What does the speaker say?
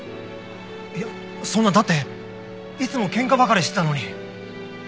いやそんなだっていつも喧嘩ばかりしてたのに。